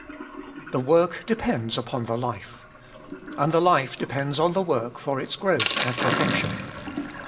The work depends upon the life. And the Hfe depends on the work for its growth and perfection.